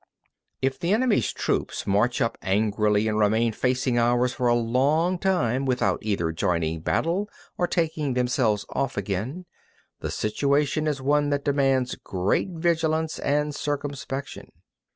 39. If the enemy's troops march up angrily and remain facing ours for a long time without either joining battle or taking themselves off again, the situation is one that demands great vigilance and circumspection.